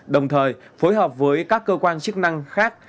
đồng thời phối hợp với các cơ quan chức năng khác